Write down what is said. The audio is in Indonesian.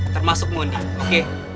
termasuk mondi oke